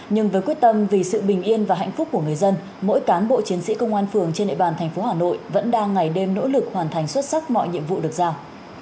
nhưng với quyết tâm vì sự bình yên và hạnh phúc của người dân mỗi cán bộ chiến sĩ công an phường trên địa bàn thành phố hà nội vẫn đang ngày đêm nỗ lực hoàn thành xuất sắc mọi nhiệm vụ được giao